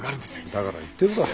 だから言ってるだろ。